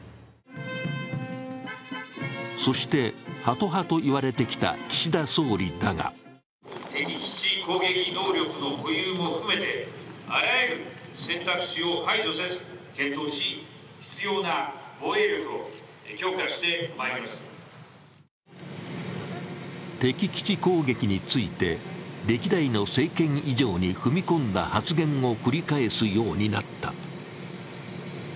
そして、ハト派と言われてきた岸田総理だが敵基地攻撃について歴代の政権以上に踏み込んだ発言を繰り返すようになった。